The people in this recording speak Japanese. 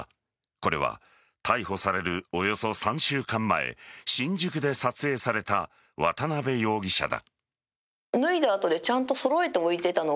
これは逮捕されるおよそ３週間前新宿で撮影された渡辺容疑者だ。